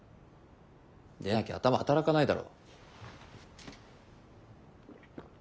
でなきゃ頭働かないだろ。